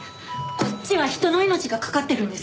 こっちは人の命がかかってるんですよ。